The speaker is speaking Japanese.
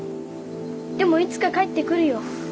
でもいつか帰ってくるよ。